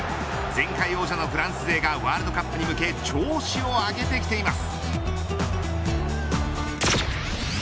前回王者のフランスがワールドカップに向け調子を上げてきています。